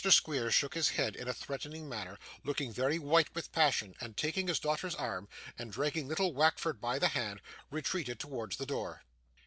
Squeers shook his head in a threatening manner, looking very white with passion; and taking his daughter's arm, and dragging little Wackford by the hand, retreated towards the door.